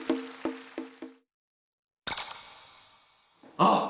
あっ！